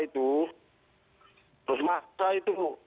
terutama awal dari anak anak sekolah itu